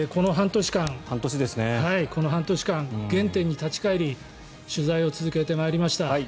この半年間原点に立ち返り取材を続けてまいりました。